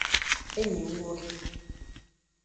Enyi m nwoke